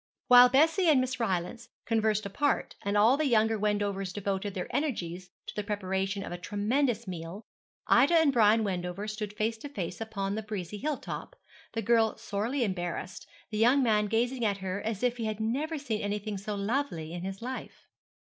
While Bessie and Miss Rylance conversed apart, and all the younger Wendovers devoted their energies to the preparation of a tremendous meal, Ida and Brian Wendover stood face to face upon the breezy hill top, the girl sorely embarrassed, the young man gazing at her as if he had never seen anything so lovely in his life.